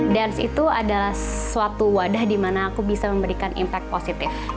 dance itu adalah suatu wadah di mana aku bisa memberikan impact positif